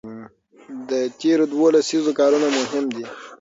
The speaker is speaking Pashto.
د تېرو دوو لسیزو کارونه مهم دي.